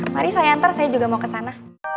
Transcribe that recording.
mari saya antar saya juga mau kesana